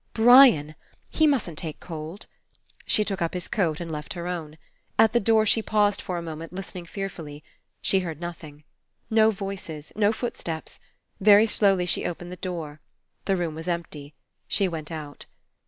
Brian! He mustn't take 211 PASSING cold. She took up his coat and left her own. At the door she paused for a moment, listening fearfully. She heard nothing. No voices. No footsteps. Very slowly she opened the door. The room was empty. She went out.